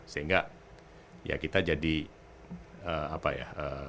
sehingga ya kita jadi apa ya